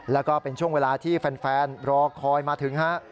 แล้วก็เป็นช่วงเวลาที่แฟนรอคอยมาถึงฮะ